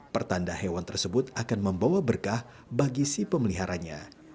pertanda hewan tersebut akan membawa berkah bagi si pemeliharanya